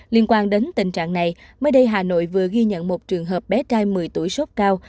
liên quan đến tình trạng này mới đây hà nội vừa ghi nhận một trường hợp bé trai một mươi tuổi sốt cao